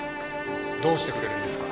どうしてくれるんですか？